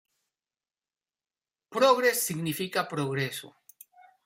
Progress significa "progreso".